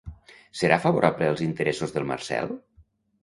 ¿Serà favorable als interessos del Marcel?